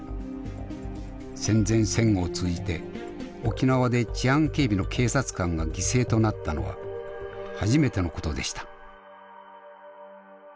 戦前戦後を通じて沖縄で治安警備の警察官が犠牲となったのは初めてのことでした。